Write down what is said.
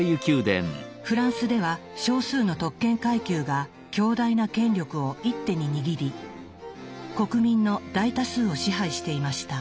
フランスでは少数の特権階級が強大な権力を一手に握り国民の大多数を支配していました。